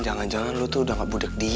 jangan jangan lo tuh udah gak budek budeknya